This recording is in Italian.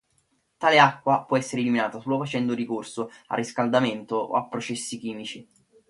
Tale acqua può essere eliminata solo facendo ricorso a riscaldamento o a processi chimici.